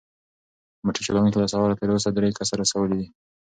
موټر چلونکی له سهاره تر اوسه درې کسه رسولي دي.